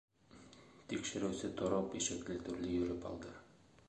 - Тикшереүсе тороп ишекле-түрле йөрөп алды.